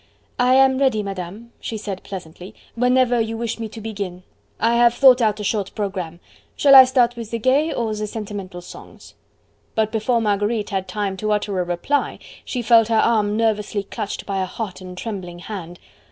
"I am ready, Madame," she said pleasantly, "whenever you wish me to begin. I have thought out a short programme, shall I start with the gay or the sentimental songs?" But before Marguerite had time to utter a reply, she felt her arm nervously clutched by a hot and trembling hand.